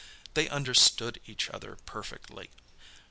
They understood each other perfectly.